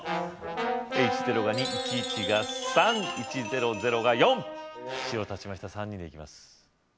１０が２１１が３１００が４白立ちました３人でいきます